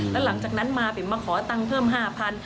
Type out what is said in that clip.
แล้วหลังจากนั้นมาปิ๋มมาขอตังค์เพิ่ม๕๐๐บาท